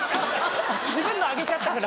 自分のあげちゃったから。